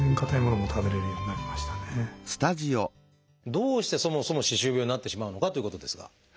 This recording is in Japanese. どうしてそもそも歯周病になってしまうのかということですが。